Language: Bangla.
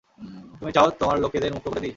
তুমি চাও তোমার লোকেদের মুক্ত করে দিই।